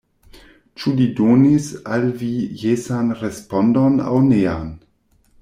Ĉu li donis al vi jesan respondon aŭ nean?